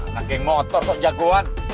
nangkeng motor kok jagoan